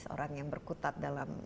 seorang yang berkutat dalam